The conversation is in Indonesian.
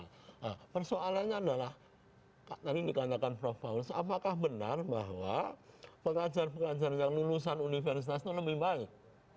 nah persoalannya adalah tadi yang dikatakan prof faus apakah benar bahwa pengajar pengajar yang lulusan universitas itu lebih baik